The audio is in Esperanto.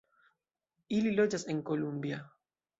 Ili loĝas en Columbia.